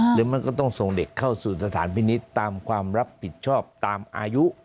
หรือมันก็ต้องส่งเด็กเข้าสู่สถานพินิษฐ์ตามความรับผิดชอบตามอายุ